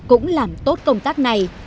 cũng làm tốt công tác này